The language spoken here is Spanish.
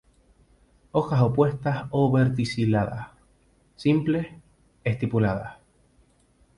Hojas opuestas o verticiladas, simples, estipuladas.